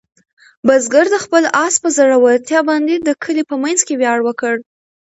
بزګر د خپل آس په زړورتیا باندې د کلي په منځ کې ویاړ وکړ.